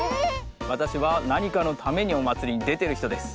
わたしはなにかのためにおまつりにでてるひとです。